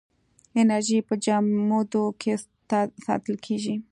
انرژي په جامدو کې ساتل کېږي.